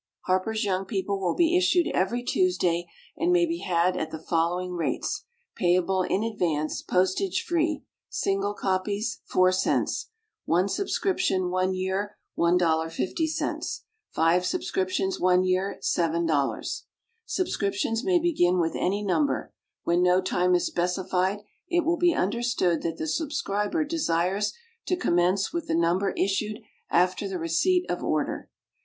HARPER'S YOUNG PEOPLE will be issued every Tuesday, and may be had at the following rates payable in advance, postage free: SINGLE COPIES $0.04 ONE SUBSCRIPTION, one year 1.50 FIVE SUBSCRIPTIONS, one year 7.00 Subscriptions may begin with any Number. When no time is specified, it will be understood that the subscriber desires to commence with the Number issued after the receipt of order.